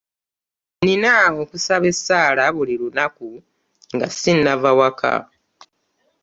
Nina okusaba essaala buli lunaku nga sinava waka.